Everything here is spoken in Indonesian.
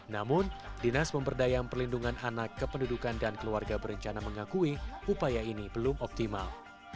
namun dinas pemberdayaan perlindungan anak kependudukan dan keluarga berencana mengakui upaya ini belum optimal